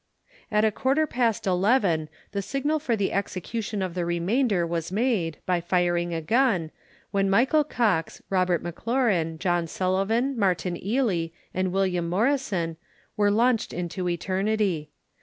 At a quarter past eleven, the signal for the execution of the remainder was made, by firing a gun, when Michael Cox, Robert M'Laurin, John Sullivan, Martin Ealey, and William Morrison, were launched into eternity.